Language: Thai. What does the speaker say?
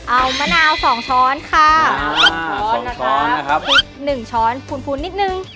เอามะนาวสองช้อนค่ะช้อนนะครับหนึ่งช้อนพูนนิดนึง